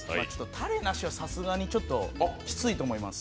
たれなしはさすがにちょっときついと思います。